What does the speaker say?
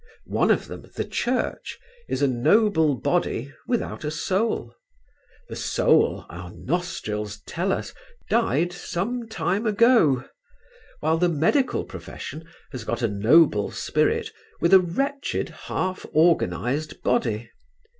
One of them, the Church, is a noble body without a soul; the soul, our nostrils tell us, died some time ago, while the medical profession has got a noble spirit with a wretched half organized body.